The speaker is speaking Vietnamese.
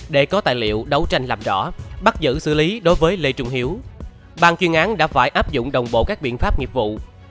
để có tài liệu đấu tranh làm rõ bắt giữ xử lý đối với lê trung hiếu bàn chuyên án đã phải áp dụng đồng bộ các biện pháp nghiệp vụ